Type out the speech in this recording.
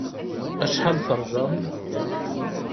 Acḥal terjam?